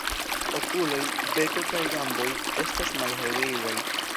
Okuloj, beko kaj gamboj estas malhelgrizaj.